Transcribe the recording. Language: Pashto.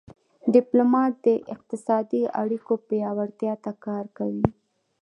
ډيپلومات د اقتصادي اړیکو پیاوړتیا ته کار کوي.